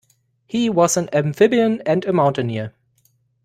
He was an amphibian and a mountaineer.